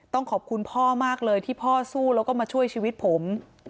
ต้องขอบคุณพ่อมากเลยที่พ่อสู้แล้วก็มาช่วยชีวิตผม